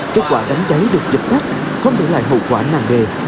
kết quả đám cháy được dịch khắc không để lại hậu quả nàng đề